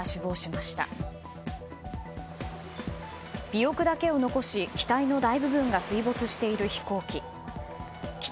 尾翼だけを残し機体の大部分が水没している飛行機。